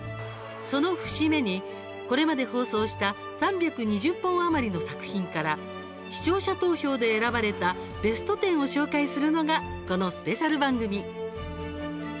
その節目に、これまで放送した３２０本余りの作品から視聴者投票で選ばれたベスト１０を紹介するのがこのスペシャル番組。